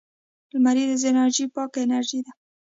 لمریزه انرژي پاکه انرژي ده